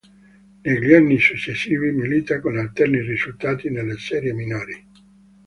Negli anni successivi milita con alterni risultati nelle serie minori.